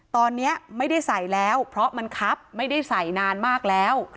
ตอนนี้ไม่ได้ใส่แล้วเพราะมันครับไม่ได้ใส่นานมากแล้ว